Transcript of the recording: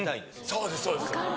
そうですそうです。